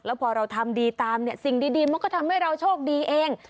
แล้วพอเราทำดีตามเนี่ยสิ่งดีมันก็ทำให้เราโชคดีเอง